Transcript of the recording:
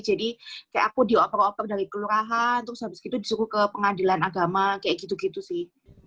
jadi aku dioper oper dari kelurahan terus habis itu disuruh ke pengadilan agama kayak gitu gitu sih